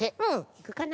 いくかな？